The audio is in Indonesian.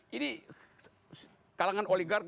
jadi kalangan oligarki